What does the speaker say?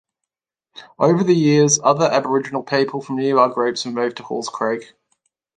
Over the years other Aboriginal people from nearby groups have moved to Halls Creek.